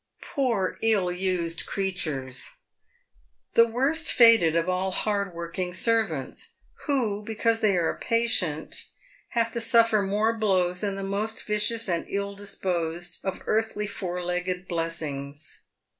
Poor, ill used creatures ! the worst fated of all hard working servants ; who, because they are patient, have to suffer more blows than the most vicious and ill disposed of earthly four legged blessings.